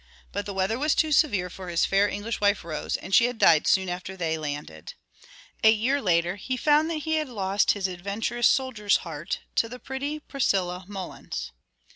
But the weather was too severe for his fair English wife Rose, and she had died soon after they landed. A year later he found that he had lost his adventurous soldier's heart to the pretty Priscilla Mullins.